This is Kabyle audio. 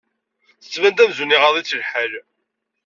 Tettban-d amzun iɣaḍ-itt lḥal.